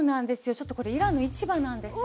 ちょっとこれイランの市場なんですが。